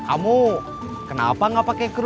aku enggak udah pintar